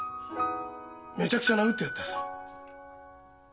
めちゃくちゃ殴ってやった。